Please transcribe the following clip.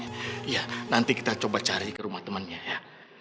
iya nanti kita coba cari ke rumah temannya ya